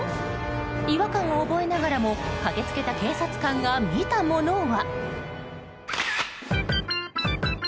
違和感を覚えながらも駆けつけた警察官が見たものは。